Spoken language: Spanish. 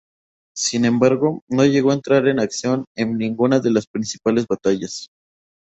Sin embargo, no llegó a entrar en acción en ninguna de las principales batallas.